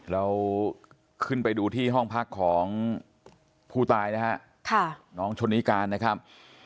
เราขึ้นไปดูที่ห้องพักของผู้ตายนะฮะน้องชนนิการนะครับ